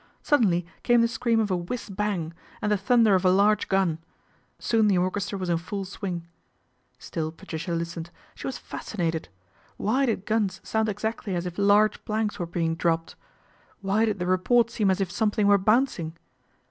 Suddenly came the scream o a " whiz bang " and the thunder of a large gun Soon the orchestra was in full swing. Still Patricia listened. She was fascinated Why did guns sound exactly as if large plank 360 THE AIR RAID 261 were being dropped ? Why did the report seem as if something were bouncing